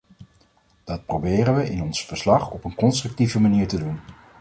Dat proberen we in ons verslag op een constructieve manier te doen.